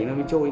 nó mới trôi